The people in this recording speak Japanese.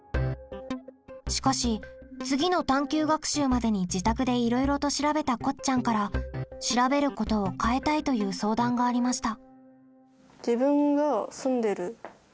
しかし次の探究学習までに自宅でいろいろと調べたこっちゃんから「調べること」を変えたいという相談がありました。